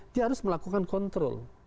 dia harus melakukan kontrol